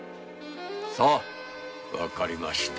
さぁわかりました。